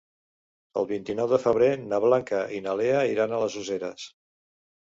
El vint-i-nou de febrer na Blanca i na Lea iran a les Useres.